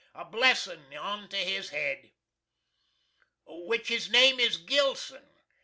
A blessin' onto his hed!" "Which his name is GILSON!